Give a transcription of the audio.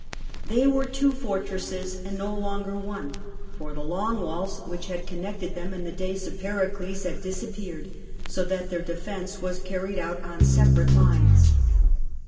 They were two fortresses, and no longer one, for the ''Long Walls" which had connected them in the days of Pericles had disappeared, so that their defence was car ried out on separate lines.